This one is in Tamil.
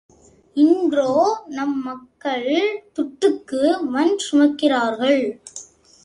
இன்றோ நம் மக்கள் துட்டுக்கு மண் சுமக்கிறார்கள்!